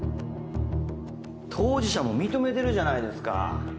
当事者も認めてるじゃないですか